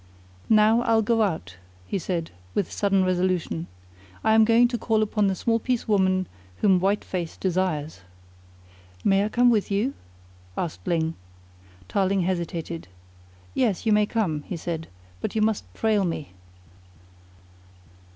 "Now I'll go out," he said with sudden resolution. "I am going to call upon the small piece woman whom White Face desires." "May I come with you?" asked Ling. Tarling hesitated. "Yes, you may come," he said, "but you must trail me."